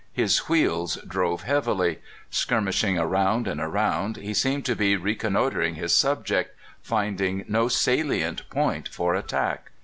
His wheels drove heavily. Skirmishing around and around, he seemed to be reconnoiter ing his subject, finding no salient point for attack.